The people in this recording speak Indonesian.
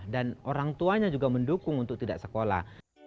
dan orang tuanya juga mendukung untuk tidak sekolah